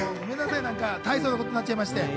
たいそうなことになっちゃいまして。